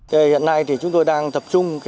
hiện nay chúng tôi đang tập trung